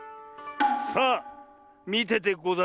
さあみててござれ。